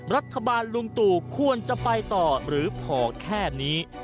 รัฐบาลลุงตุ๋วควรจะไปต่อหรือพอแค่นี้